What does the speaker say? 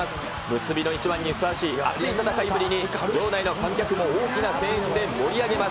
結びの一番にふさわしい熱い戦いぶりに、場内の観客も大きな声援で盛り上げます。